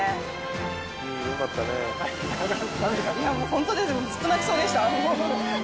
ホントですずっと泣きそうでした。